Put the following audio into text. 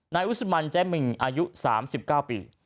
นายอุศมันแจ้มิงอายุ๓๙ปี